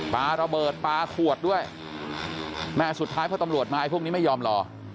ปลาระเบิดปลาขวดด้วยแม่สุดท้ายพอตำรวจมาไอพวกนี้ไม่ยอมรอ